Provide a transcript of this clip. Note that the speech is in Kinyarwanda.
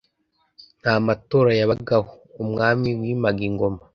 nta matora yabagaho. Umwami wimaga ingoma